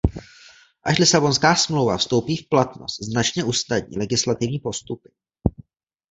Až Lisabonská smlouva vstoupí v platnost, značně usnadní legislativní postupy.